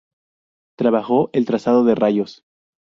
Trabajó el Trazado de Rayos.